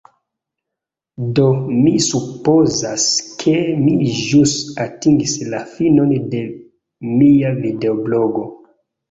Do, mi supozas ke mi ĵus atingis la finon de mia videoblogo.